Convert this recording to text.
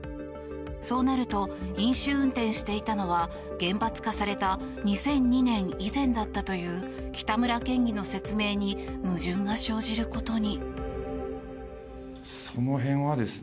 そうなると飲酒運転していたのは厳罰化された２００２年以前だったという北村県議の説明に矛盾が生じることに。